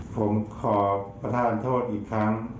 ผมขอประทานโทษอีกครั้ง